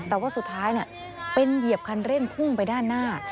แต่ว่าสุดท้ายเป็นเหยียบคันเร่งพุ่งไปด้านหน้า